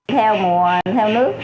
theo mùa theo nước